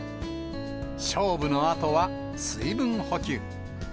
勝負のあとは水分補給。